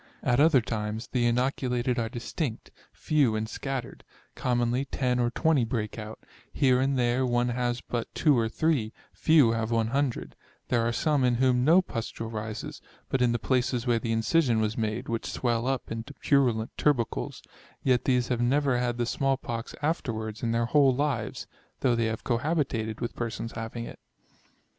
At other times, the inoculated are distinct, few and scattered ; commonly 10 or 20 break out; here and there one has but 2 or 3, few have 100: there are some in whom no pustule rises, but in the places where the incision was made, which swell up into purulent tubercles; yet these have never had the small pox afterwards in their whole lives; though they have cohabited with persons having it.